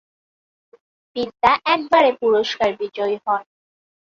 বিদ্যা একবার এ পুরস্কার বিজয়ী হন।